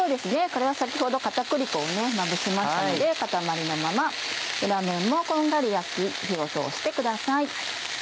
これは先ほど片栗粉をまぶしましたので塊のまま裏面もこんがり焼き火を通してください。